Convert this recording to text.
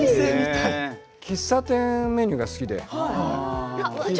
喫茶店メニューが好きで。